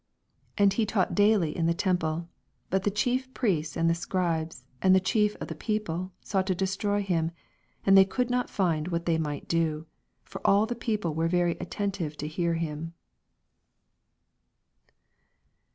47 And he taught daily in the tem gle. But the Chief Priests and the cribes and the chief of the people sought to destroy him, 48 And could not find what they might do : for all the people were very attentive to hear him.